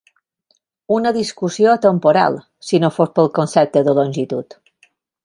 Una discussió atemporal, si no fos pel concepte de longitud.